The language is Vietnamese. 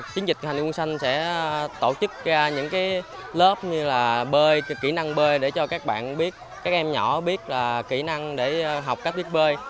chiến dịch hành viên quân sanh sẽ tổ chức ra những lớp như là bơi kỹ năng bơi để cho các em nhỏ biết kỹ năng để học cách biết bơi